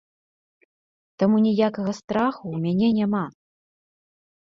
Таму ніякага страху ў мяне няма.